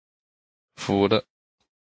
服了